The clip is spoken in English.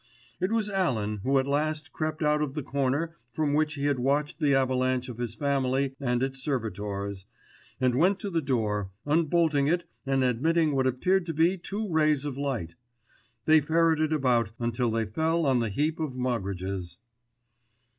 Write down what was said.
It was Alan who at last crept out of the corner from which he had watched the avalanche of his family and its servitors, and went to the door, unbolting it and admitting what appeared to be two rays of light. They ferreted about until they fell on the heap of Moggridges.